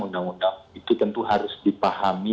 undang undang itu tentu harus dipahami